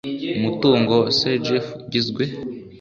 umutungo wa sgf ugizwe